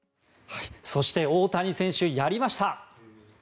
そして大谷選手やりました。